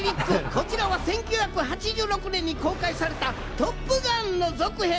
こちらは１９８６年に公開された『トップガン』の続編。